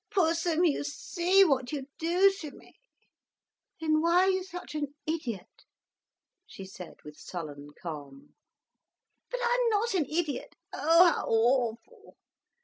Pussum, you see what you do to me." "Then why are you such an idiot?" she said with sullen calm. "But I'm not an idiot! Oh, how awful!